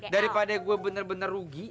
daripada gua bener bener rugi